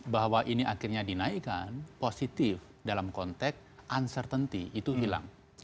bahwa ini akhirnya dinaikkan positif dalam konteks uncertainty itu hilang